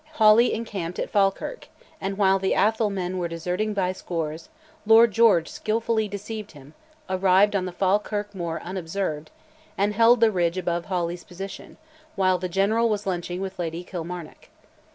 Hawley encamped at Falkirk, and while the Atholl men were deserting by scores, Lord George skilfully deceived him, arrived on the Falkirk moor unobserved, and held the ridge above Hawley's position, while the General was lunching with Lady Kilmarnock.